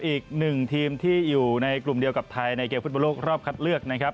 อีกหนึ่งทีมที่อยู่ในกลุ่มเดียวกับไทยในเกมฟุตบอลโลกรอบคัดเลือกนะครับ